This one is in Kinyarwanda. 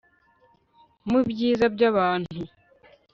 mu byiza byabantu